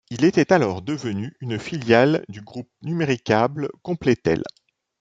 Il était alors devenu une filiale du groupe Numericable-Completel.